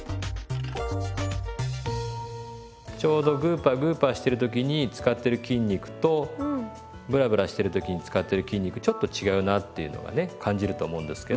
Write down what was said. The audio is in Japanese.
ちょうどグーパーグーパーしてる時に使ってる筋肉とブラブラしてる時に使ってる筋肉ちょっと違うなっていうのがね感じると思うんですけど。